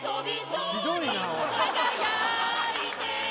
ひどいなおい